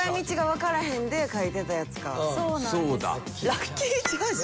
「ラッキーチャージ」！